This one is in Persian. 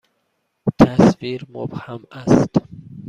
تصویر مبهم است.